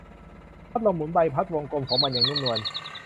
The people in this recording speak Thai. พัดลมหมุนใบพัดวงกลมของมันอย่างนุ่มนวล